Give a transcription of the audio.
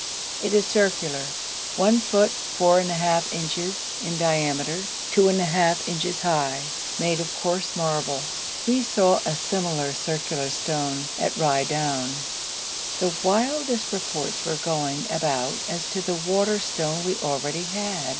It is circular, 1 foot 4½ inches in diameter, 2½ inches high, made of coarse marble. We saw a similar circular stone at Raidoun. The wildest reports were going about as to the water stone we already had.